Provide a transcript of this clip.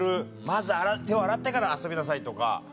まず手を洗ってから遊びなさい！とか。